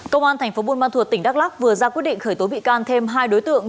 công an tp buôn man thuột tỉnh đắk lắk vừa ra quyết định khởi tố bị can thêm hai đối tượng